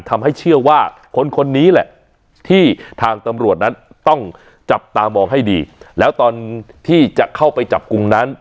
ทำให้เชื่อว่าคนคนนี้แหละที่ทางตำรวจนั้นต้องจับตามองให้ดีแล้วตอนที่จะเข้าไปจับกลุ่มนั้น